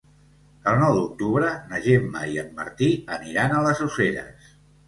El nou d'octubre na Gemma i en Martí aniran a les Useres.